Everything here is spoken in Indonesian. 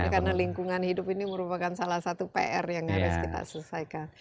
karena lingkungan hidup ini merupakan salah satu pr yang harus kita selesaikan